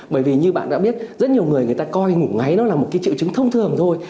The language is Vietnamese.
bởi vì như bạn đã biết rất nhiều người người ta coi ngủ ngáy nó là một cái triệu chứng thông thường thôi